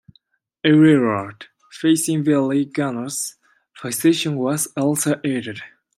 A rearward-facing belly gunner's position was also added.